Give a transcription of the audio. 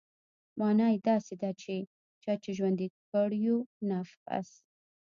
مانا يې داسې ده چې چا چې ژوندى کړ يو نفس.